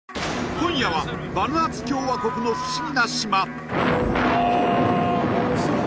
今夜はバヌアツ共和国の不思議な島・おおっ！